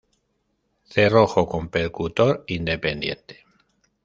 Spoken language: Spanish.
Cerrojo con percutor independiente.